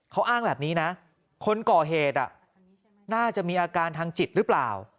เขาอ้างแบบนี้นะคนก่อเหตุน่าจะมีอาการทางจิตหรือเปล่า